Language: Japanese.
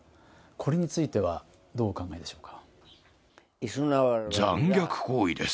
これについてはどうお考えでしょうか？